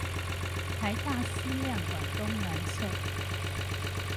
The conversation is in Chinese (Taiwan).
臺大思亮館東南側